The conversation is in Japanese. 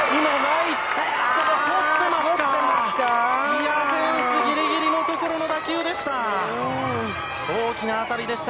いやー、フェンスぎりぎりのところの打球でした。